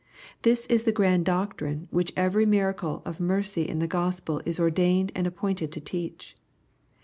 This is the grand doctrine which every miracle of mercy in the Gospel is ordained and appointed to teach.